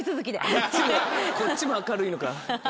こっちも明るいのか。